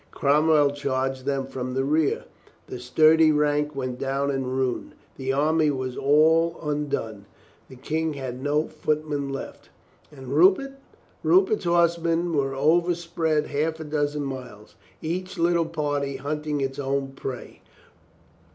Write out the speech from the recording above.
Cromwell charged them from the rear. The sturdy ranks went down in ruin. The army was all un done. The King had no footmen left. And Rupert? Rupert's horsemen were over spread half a dozen miles, each little party hunting its own prey.